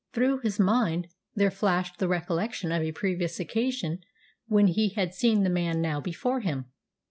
Through his mind there flashed the recollection of a previous occasion when he had seen the man now before him.